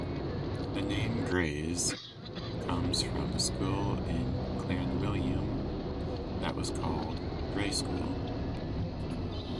The name "Greys" comes from the school in Clanwilliam that was called "Grey School"